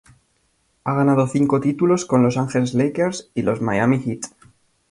Ha ganado cinco títulos con Los Angeles Lakers y los Miami Heat.